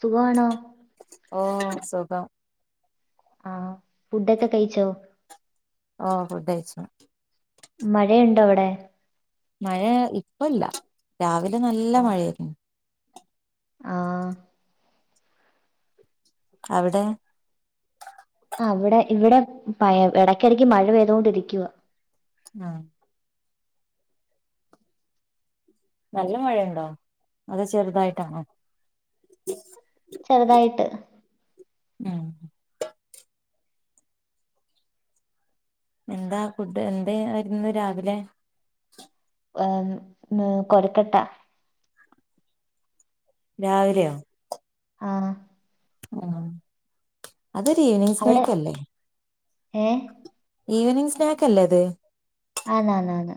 സുഖാണോ ഓ സുഖം ആ ഫുഡൊക്കെ കഴിച്ചോ ഓ ഫുഡ്കഴിച്ചു മഴയുണ്ടോ അവിടെ മഴ ഇപ്പ ഇല്ല രാവിലെ നല്ല ആ മഴായിരുന്നു ആ അവിടെ അവിടെ ഇവിടെ പഴ ഇടക്കിടക്ക് മഴ പെയ്തുകൊണ്ടിരിക്കുവ ആ നല്ല മഴയുണ്ടോ അതോ ചെറുതായിട്ടാണോ ചെറുതായിട്ട് മ് എന്താ ഫുഡ് എന്തേ യിരുന്നു രാവിലെ ഏന്ന്കൊരക്കട്ട രാവിലെ ആ ആ അതൊരു ഇവനിംഗ് അവിടെ സ്നാക്കല്ലേ ഏ ഇവനിംഗ് സ്നാക്ക് അല്ലത് ആണ് ണ് ണ്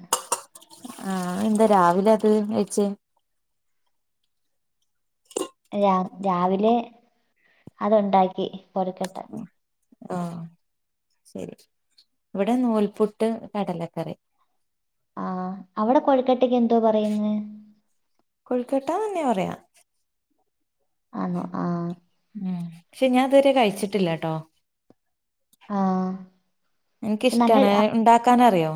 ആ എന്താ രാവിലെ അത് കഴിചെ രാ രാവിലെ അത്ഇണ്ടാക്കി കൊ രുക്കട്ട ആ അ ശരി ഇവിടെ നൂൽപുട്ട് കടലക്കറി ആ അവിടെ കൊഴക്കട്ടേക്ക് എന്തോ പറയ്ന്നേ തന്നെപറയാ ആണോ ആഹ് ഉം പക്ഷെ ഞാൻ അതുവരെ കഴിച്ചിട്ടില്ലട്ടോ- ആ പക്ഷെ എനിക്കിഷ്ടാണ് നല്ല ഉണ്ടാക്ക ക്കാനറിയോ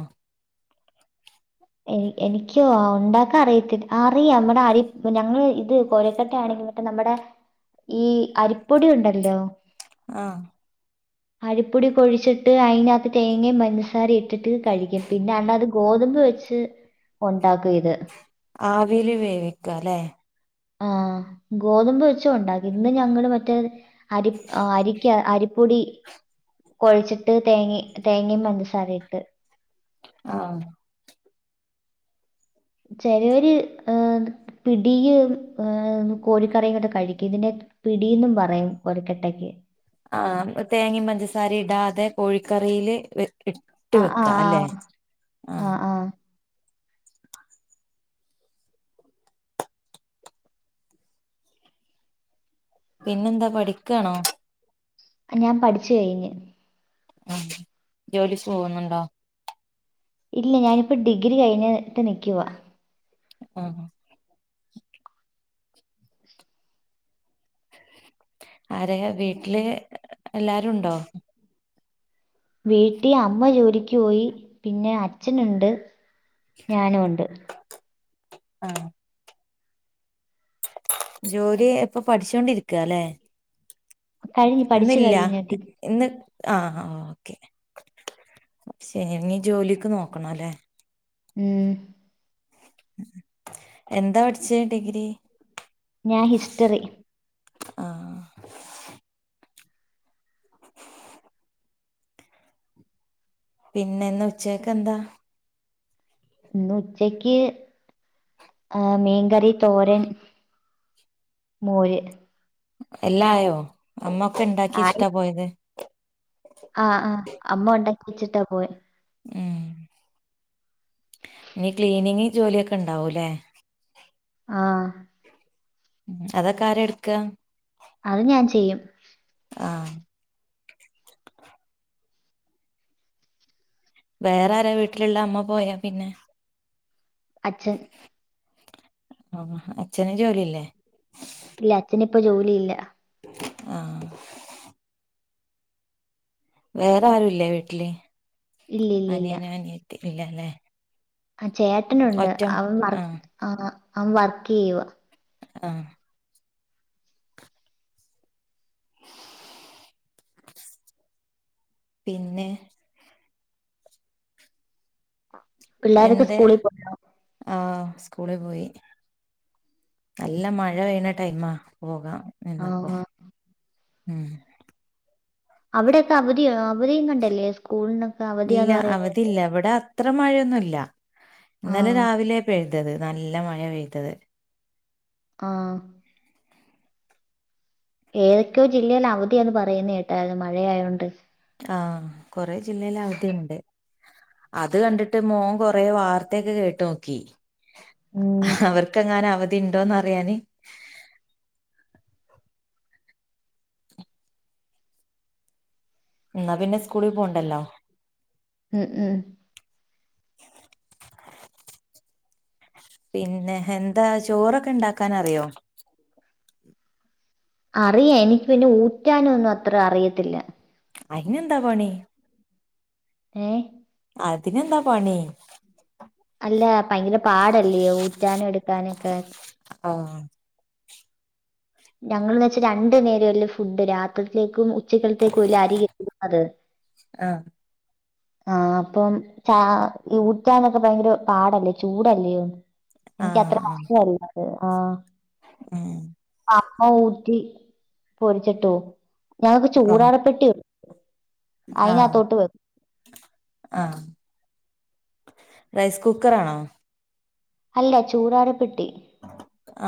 എനിക്കോ ഉണ്ടാക്കൻ അറിയത്തില്ല അറിയാം നമ്മടെ അരി ഞങ്ങൾ ഇത് കോരക്കട്ട ആണെങ്കിൽ മറ്റ- നമ്മടെ ഈ അരിപ്പൊടി ഉണ്ടല്ലോ ആഹ് അരിപ്പൊടി കൊഴച്ചിട്ട് അതിനകത്ത് തേങ്ങയും പഞ്ചസാരേം ഇട്ടിട്ട് കഴിക്കും പിന്നെ അമ്മ അത് ഗോതമ്പ് വെച്ചി ട്ട് ഒണ്ടാക്കും ഇത് ആവീല് വേവിക്കും അല്ലെ ആഹ് ഗോതമ്പ് വെച്ചും ഒണ്ടാക്കി ഇന്ന് ഞങ്ങള് മറ്റേ അരിപ് അരിക്ക് അരി പ്പൊടി കൊഴച്ചിട്ട് തേങ്ങേ തേങ്ങയും പഞ്ചസാരയിട്ട് ആഹ് ആഹ് ചെലവര് ഏഹ് പിടിയും ഏഹ് കോഴിക്കറിയും കൂടെ കഴിക്കും ഇതിനെ പിടീന്നും പറയും കൊഴുക്കട്ടയ്ക്ക് ആഹ് തേങ്ങയും പഞ്ചസാരയും ഇടാതെ കോഴിക്കറീല് വ ഇട്ട് ആ ആ വെക്കാ അല്ലെ ആ ആഹ് ആ പിന്നെന്താ പഠിക്കാണോ ഞാൻ പഠിച്ച് കഴിഞ്ഞ് ആഹ് ജോലിക്ക് പോകുന്നുണ്ടോ ഇല്ല ഞാനിപ്പോ ഡിഗ്രി കഴിഞ്ഞ് ട്ട് നിക്കുവാ ആഹ് ആരെയ വീട്ടില് എല്ലാരു ഉണ്ടോ വീട്ടി അമ്മ ജോലിക്ക് പോയി പിന്നെ അച്ഛനെണ്ട്. ഞാനുവെണ്ട് ആഹ് ജോലി ഇപ്പൊ പഠിച്ചോണ്ടിരിക്കുവാല്ലെ കഴിഞ്ഞ് പഠിച്ചു ഇന്നില്ലാ കഴിഞ്ഞിട്ട് ഇന്ന് ആഹ് ഓക്കെ ശരി ഇനി ജോലിക്ക് നോക്കണെല്ലേ ഏഹ് എന്താ പട്ച്ചേ ഡിഗ്രി? ഞാ ഹിസ്റ്ററി ആഹ് പിന്നെന്ന് ഉച്ചേക്ക് എന്താ ഇന്ന് ഉച്ചക്ക് ആ മീൻകറി, തോരൻ മോര്. എല്ലായോ അമ്മ ഒക്കെ ആയി ഇണ്ടാക്കിയെച്ച്ട്ടാ പോയത്? ആഹ് ആഹ് അമ്മ ഒണ്ടാക്കി വെച്ചിട്ടാ പോയെ ഉം ഇനി ക്ലീനിങ് ജോലിയൊക്കെണ്ടാവൂല്ലേ? ആഹ് അതൊക്കെ ആരാ എട്ക്ക അത് ഞാൻ ചെയ്യും. ആഹ് വേറെ ആരാ വീട്ട്ല്ള്ളെ അമ്മ പോയാ പിന്നെ? അച്ഛൻ ആഹ് അച്ഛന് ജോലിയില്ലേ? ഇപ്പൊ ജോലിയില്ല. ആഹ്. വേറെ ആരുല്ലേ വീട്ടില് ഇല്ല ഇല്ല അനിയനോ അനിയത്തില്ലല്ലേ ആഹ് ചേട്ടനുണ്ട്. അവൻ വർക്ക് ആഹ് ആ അവൻ വർക്കെയ്യുവാ. ആഹ് പിന്നെ പിള്ളാരൊക്കെ സ്കൂളി പോയോ? സ്കൂളി പോയി. നല്ല മഴ പെയ്യണ ടൈമാ പോകാം എന്നപ്പോ ആഹ് ഉം- അവിടെയൊക്കെ അവധിയ അവധിയും കണ്ടല്ലേ സ്കൂളിന് ഇല്ല അവധി ഇല്ല ഇവിടെ- അത്ര മഴയൊന്നുമല്ല ഇന്നലെ ആഹ് രാവിലെ പെയ്തത് നല്ല മഴ പെയ്തത് ആഹ് - ഏതൊക്കെയോ ജില്ലൽ അവധിയന്ന് പറയുന്നത് കേട്ടരുന്നു മഴയോണ്ട് ആഹ് കൊറെ ജില്ലൽ അവധിയൂണ്ട്- അത് കണ്ടിട്ട് മോൻ കൊറെ വാർത്തയക്കെ കേട്ടു നോക്കി ഉം അവർക്ക് എങ്ങാനും അവധി ഉണ്ടോന്ന് അറിയാന് - എന്നാ പിന്നെ സ്കൂളിൽ പോണ്ടല്ലോ- ഉം ഉം- [unintelligible] പിന്നെ എന്താ ചോറൊക്കെ ഉണ്ടാക്കാൻ അറിയോ? അറിയ എനിക്ക് പിന്നെ ഊറ്റാനൊന്നും അത്ര അറിയത്തില്ല- അയിന് എന്താ പണി- ഏഹ് അതിനെന്താ പണി- അല്ല ഭയങ്കര പാടല്ലേോ ഊറ്റാനും എടുക്കാനൊക്കെ ആഹ് ഞങ്ങള് വെച്ചാ രണ്ടു നേരല്ല ഫുഡ് രാത്രിത്തിലേക്കും ഉച്ചക്കളത്തേക്കയില അരി ഇടുന്നത് - ആഹ് ആഹ് അപ്പം ച ഊട്ടന്നൊക്കെ ഭയങ്കര പാടല്ലേ ചൂടല്ലോ എനിക്ക് അത്ര അറത് ആഹ് ആഹ് - അമ്മ ഊട്ടി പൊരിച്ചിട്ടോ ഞങ്ങക്ക് ഓഹ് ചൂടാട പെട്ടി ആഹ് ആഹ് റൈസ് കുക്കറാണോ അല്ല ചൂറാടെ പെട്ടി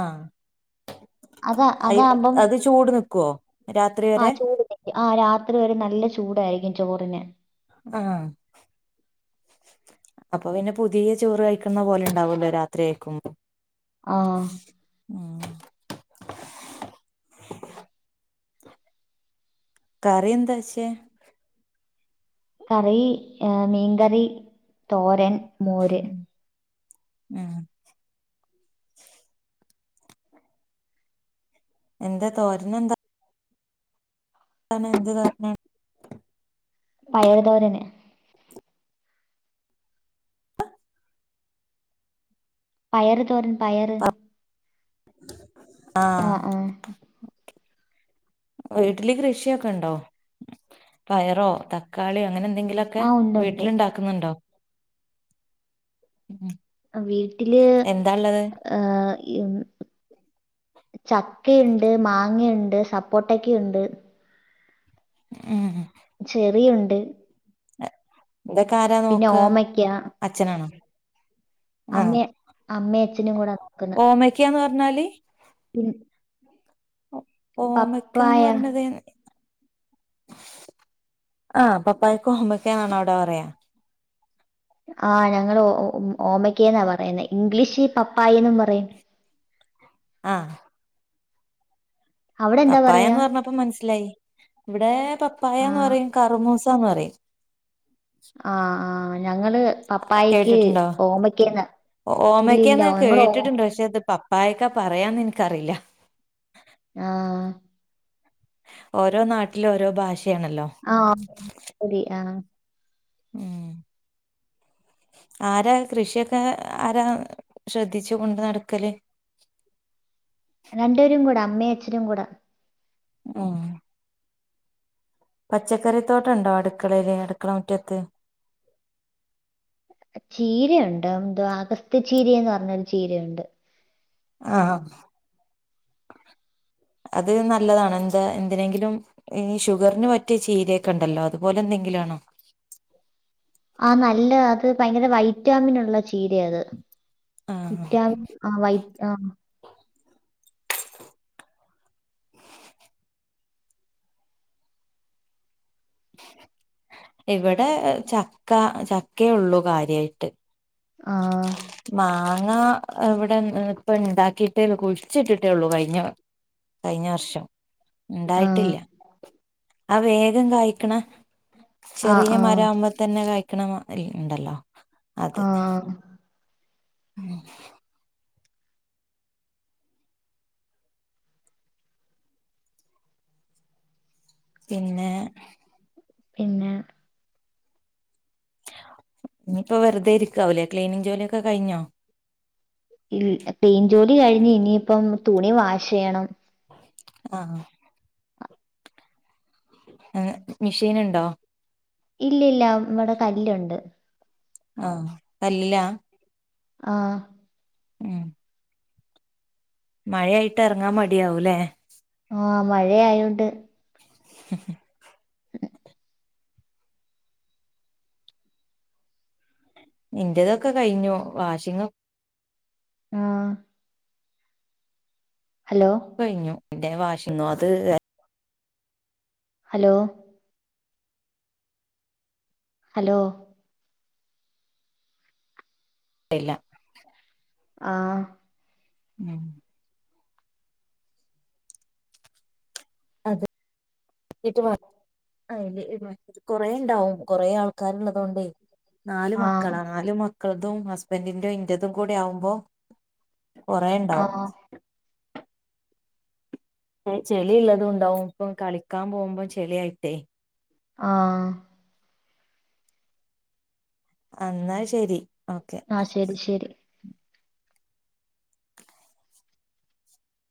ആഹ് അതാ അയ് അതാകുമ്പം അത് ചൂട് നിക്കുവോ രാത്രി ആ വരെ ചൂട് നിക്കും ആ രാത്രി വരെ നല്ല ചൂടായിരിക്കും ചോറിന് ആഹ് അപ്പൊ പിന്നെ പുതിയ ചോറ് കഴിക്കുന്ന പോലെ ഉണ്ടാവല്ലോ രാത്രി ആഴക്കു ആഹ് ഉം കറി എന്താച്ചേ കറി മീൻകറി തോരൻ മോര് ഉം എന്താ തോരന എന്താ [unintelligible] പയറു തോരന് പയറ് തോരൻ പയറ് ആ ആഹ് ആ വീട്ടില് കൃഷിയൊക്കെ ഉണ്ടോ പയറോ തക്കാളിയോ അങ്ങനെ എന്തെങ്കിലൊക്കെ ആ ഉണ്ട് ഉണ്ട് വീട്ടിൽണ്ടാക്കുന്നുണ്ടോ വീട്ടില് എന്താള്ളത് ആഹ് [unintelligible] ചക്കയുണ്ട് മാങ്ങയുണ്ട് സപ്പോട്ടക്കുണ്ട് [unintelligible] ചെറിയുണ്ട് ഇതൊക്കെ ആരാ പിന്നെ നോക്ക ഓമയ്ക്ക അച്ഛനാണോ? അമ്മേ അമ്മയ അച്ഛന കൂടാ- ഓമക്കാന്ന് പറഞ്ഞാല്- ഉം ഓമക്കന്ന് പറയണത് ആഹ് പപ്പായക്ക് ഓമാക ആണോ അവിടെ പറയാ? ആ് ഞങ്ങള് ഓമക്കെന്നാ പറയുന്നെ ഇംഗ്ലീഷ് പപ്പായ എന്നും പറയും. [unintelligible] ആഹ് - അവിടെ എന്താ പറയാ പപ്പായന്ന് പറഞ്ഞപ്പോ മനസ്സിലായി ഇവിടെ പപ്പായന്ന് ആഹ് പറയും കറുമൂസ് പറയും ആഹ് ആഹ് ഞങ്ങള് പപ്പായക്ക് ഓമ്മക്കന്ന ഓമയ്ക്കന്ന കേട്ടിട്ടുണ്ട് പക്ഷെ അത് പപ്പായക്കാ പറയാന്ന് എനിക്കറിയില്ല ആഹ് ഓരോ നാട്ടിലും ഓരോ ഭാഷ ആഹ് ശരി ആഹ് ഉം ആരാ കൃഷിയൊക്കെ ആരാ ശ്രദ്ധിച്ച കൊണ്ട് നടക്കല് രണ്ടപരും കൂടെ അമ്മയും അച്ഛനും കൂടെ ആഹ് - പച്ചക്കറിത്തോട്ടം ഉണ്ടോ അടുക്കളയില് അടുക്കള മുറ്റത്ത്- ചീരയുണ്ട് എന്ത അഗസ്ത്യ ചീരന്ന് പറഞ്ഞൊരു ചീരയുണ്ട് ആഹ് ആഹ് [inaudible] അത് നല്ലതാണ് എന്താ എന്തിനെങ്കിലും ഈ ഷുഗറിന് മറ്റേ ചീരയൊക്കെണ്ടല്ലോ അതുപോലെ എന്തെങ്കില- [unintelligible] ആഹ് നല്ല അത് ഭയങ്കര വൈറ്റാമിൻ ഉള്ള [unintelligible] അത് ആഹ് വിറ്റ ആഹ് വൈ ആഹ് ഇവിടെ ചക്ക ചക്കയ ഉള്ളു കാര്യയിട്ട് ആഹ് ഞങ്ങാ ഇവിടെ ഇപ്പ ഇ ഉണ്ടാക്കിട്ടേ കുഴിച്ചിട്ടിട്ടേ ഉള്ളൂ കഴിഞ്ഞ കഴിഞ്ഞ വർഷം ആ ഉണ്ടായിട്ടില്ല ആ വേഗം കായി ക്കണ ആ ചെറിയ മരം ആ ആവുമ്പോ തന്നെ കഴിക്കണ ഉണ്ടല്ലോ അത് ആഹ് പിന്നെ പിന്നെ ഇനിപ്പ വെറുതെ ഇരിക്കാവല്ലേ ക്ലീനിങ് ജോലിയൊക്കെ കഴിഞ്ഞോ ഇൽ തെയിൻ ജോലി കഴിഞ്ഞ് ഇനിയിപ്പം തുണി വാഷ് ചെയ്യണം ആഹ് ആഹ് ആഹ് മിഷീൻ ഉണ്ടോ ഇല്ല ഇല്ല വിടെ കല്ലുണ്ട് ആ കല്ലില്ലാ ആ ഉം മഴയായിട്ട് ഇറങ്ങാൻ മടിയാവൂല്ലേ ആ മഴയയോണ്ട് [unintelligible] ഇന്റേതൊക്കെ കഴിഞ്ഞു വാഷിങ്ങും ആ കഴിഞ്ഞു എന്റെ വാഷിങ്ങോ അത് ഹലോ ഹലോ അല്ല ആ ഉം അതെ ട്ട് വാട് ആ കൊറെ ഉണ്ടാവും കൊറേ ആൾക്കാരു ഉള്ളത് കൊണ്ടേ നാലു ആഹ് മക്കളാ നാലു മക്കളതും ഹസ്ബൻഡിന്റെ ഇൻറതും കൂടെ ആവുമ്പോ കൊറെേണ്ടാവും ആഹ് ചെളിള്ളത് ഉണ്ടാവും ഇപ്പം കളിക്കാൻ പോകുമ്പം ചെളിയായിട്ടേ ആ എന്നാ ശരി ഓക്കെ ആ ശരി ശരി